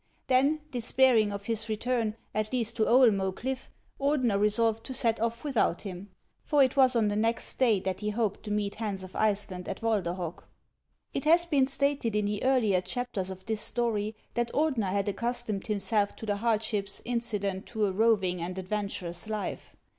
Then, despairing of his return, at least to Oelnxe Cliff, Ordener resolved to set off without him, for it was on the next day that he hoped to meet Hans of Iceland at Walderhog. It has been stated in the earlier chapters of this story that Ordener had accustomed himself to the hardships incident to a roving and adventurous life.